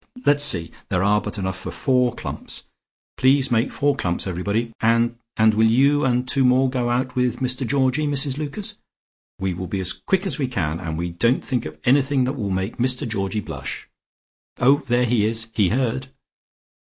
Let's see; there are but enough for four clumps. Please make four clumps everybody, and and will you and two more go out with Mr Georgie, Mrs Lucas? We will be as quick as we can, and we won't think of anything that will make Mr Georgie blush. Oh, there he is! He heard!"